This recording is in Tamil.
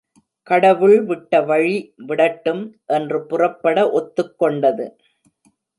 கடவுள் விட்ட வழி விடட்டும் என்று புறப்பட ஒத்துக்கொண்டது.